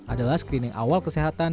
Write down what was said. adalah screening awal kesehatan